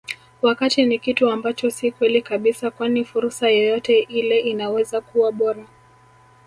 wakati ni kitu ambacho si kweli kabisa kwani fursa yeyote ile inaweza kuwa bora